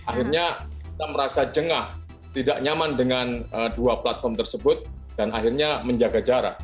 akhirnya kita merasa jengah tidak nyaman dengan dua platform tersebut dan akhirnya menjaga jarak